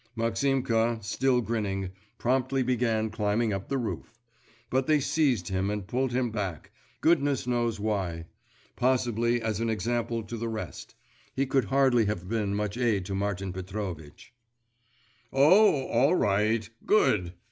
Maximka, still grinning, promptly began climbing up the roof.… But they seized him and pulled him back goodness knows why; possibly as an example to the rest; he could hardly have been much aid to Martin Petrovitch. 'Oh, all right! Good!